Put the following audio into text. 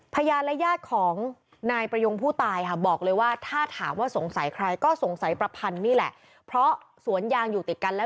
พยายามรายญาติของนายประยงผู้ตายค่ะ